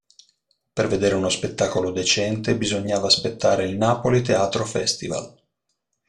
Per vedere uno spettacolo decente bisogna aspettare il Napoli Teatro Festival.